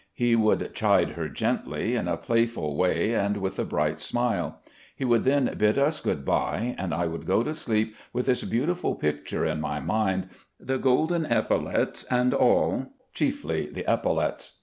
He would chide her gently, in a playful way and with a bright smile. He would then bid us good bye, and I would go to sleep with this beautiful pictme in my mind, the golden epaulets and all — chiefly the epaulets.